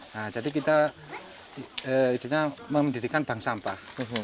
nah jadi kita idenya membedikan bank sampah